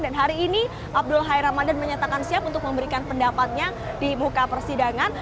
dan hari ini abdul hai ramadan menyatakan siap untuk memberikan pendapatnya di muka persidangan